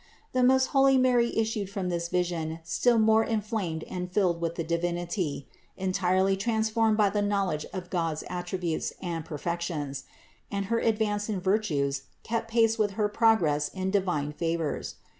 The most holy Mary issued from this vision still more inflamed and filled with the Divinity, entirely transformed by the knowledge of God's attributes and perfections; and her advance in virtues kept pace with her progress in divine favors.